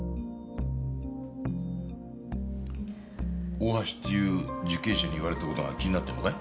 大橋っていう受刑者に言われた事が気になってるのかい？